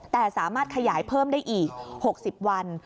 แต่สามารถขยายเพิ่มได้อีก๖๐วัน